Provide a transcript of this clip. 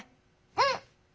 うん！